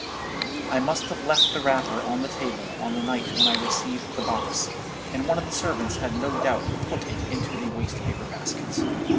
"I must have left the wrapper on the table on the night when I received the box, and one of the servants had no doubt put it into the waste paper basket.